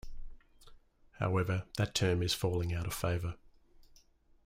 However, that term is falling out of favour.